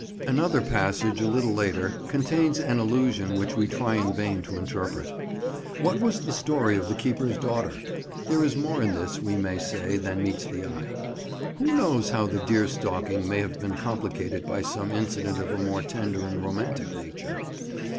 Another passage a little later contains an allusion which we try in vain to interpret. What was the story of the keeper's daughter? There is more in this, we may say, than meets the eye. Who knows how the deer stalking may have been complicated by some incident of a more tender and romantic nature?